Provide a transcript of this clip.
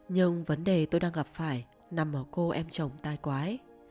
nhưng vấn đề tôi đang gặp phải nằm ở cô em chồng tai quái